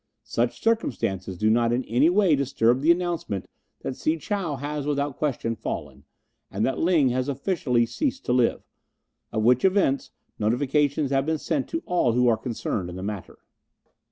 Such circumstances do not in any way disturb the announcement that Si chow has without question fallen, and that Ling has officially ceased to live, of which events notifications have been sent to all who are concerned in the matters."